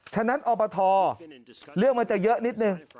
ฉะนั้นอบทเรื่องมันจะเยอะนิดนึง